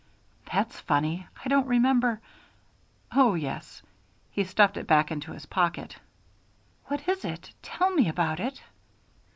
"That's funny. I don't remember oh, yes." He stuffed it back into his pocket. "What is it? Tell me about it."